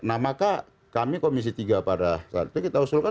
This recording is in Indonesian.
nah maka kami komisi tiga pada saat itu kita usulkan